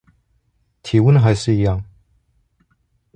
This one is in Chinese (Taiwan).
體溫還是一樣